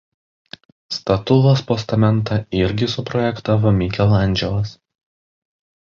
Statulos postamentą irgi suprojektavo Mikelandželas.